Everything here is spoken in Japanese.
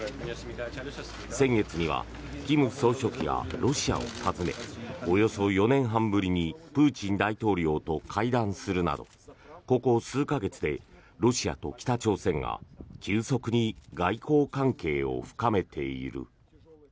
先月には金総書記がロシアを訪ねおよそ４年半ぶりにプーチン大統領と会談するなどここ数か月でロシアと北朝鮮が急速に外交関係を深めている。